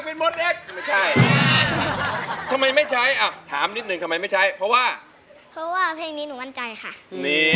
ไม่ใช่ทำไมไม่ใช้ถามนิดนึงทำไมไม่ใช้เพราะว่าเพราะว่าเพราะว่าเพลงนี้